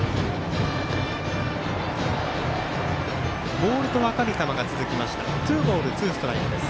ボールと分かる球が続きました。